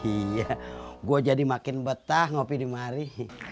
iya gue jadi makin betah ngopi di mari